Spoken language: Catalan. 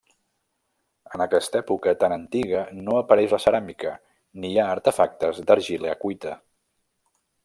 En aquesta època tan antiga no apareix la ceràmica, ni hi ha artefactes d'argila cuita.